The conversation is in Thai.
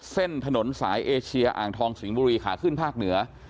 ถนนสายเอเชียอ่างทองสิงห์บุรีขาขึ้นภาคเหนือ